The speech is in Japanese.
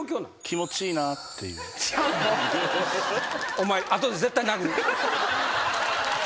お前後で絶対殴る。